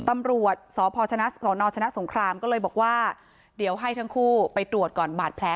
ตำรวจสพสนชนะสงครามก็เลยบอกว่าเดี๋ยวให้ทั้งคู่ไปตรวจก่อนบาดแผล